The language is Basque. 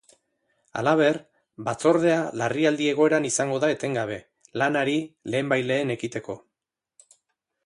Halaber, batzordea larrialdi egoeran izango da etengabe, lanari lehenbailehen ekiteko.